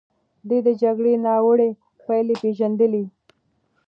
ده د جګړې ناوړه پايلې پېژندلې.